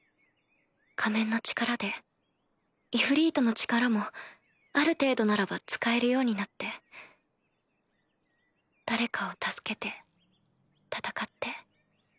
仮面の力でイフリートの力もある程度ならば使えるようになって誰かを助けて戦って。